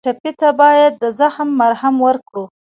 ټپي ته باید د زخم مرهم ورکړو.